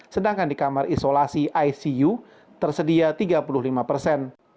sedangkan di kamar isolasi icu tersedia tiga puluh lima persen